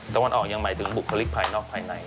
ตะวันออกยังหมายถึงบุคลิกภายนอกภายใน